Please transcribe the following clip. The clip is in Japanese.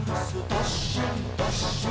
どっしんどっしん」